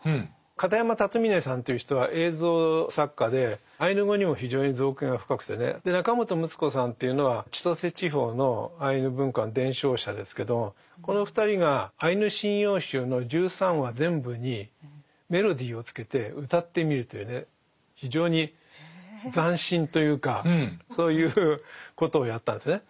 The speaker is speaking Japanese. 片山龍峯さんという人は映像作家でアイヌ語にも非常に造詣が深くてね中本ムツ子さんというのは千歳地方のアイヌ文化の伝承者ですけどこの２人が「アイヌ神謡集」の１３話全部にメロディーをつけてうたってみるというね非常に斬新というかそういうことをやったんですね。